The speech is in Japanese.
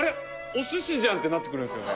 お寿司じゃん！ってなってくるんですよね